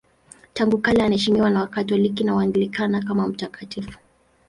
Tangu kale anaheshimiwa na Wakatoliki na Waanglikana kama mtakatifu.